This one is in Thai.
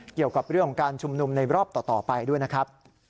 เกี่ยวกับเรื่องของการชุมนุมในรอบต่อไปด้วยนะครับ